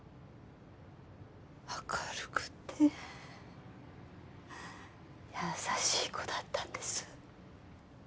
明るくて優しい子だったんです